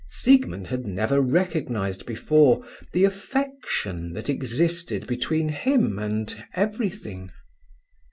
Siegmund had never recognized before the affection that existed between him and everything.